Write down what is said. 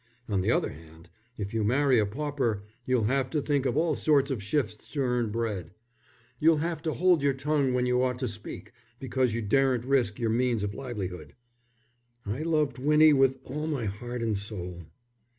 On the other hand, if you marry a pauper, you'll have to think of all sorts of shifts to earn bread. You'll have to hold your tongue when you ought to speak, because you daren't risk your means of livelihood." "I loved Winnie with all my heart and soul."